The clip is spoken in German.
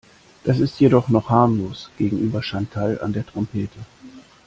Das ist jedoch noch harmlos gegenüber Chantal an der Trompete.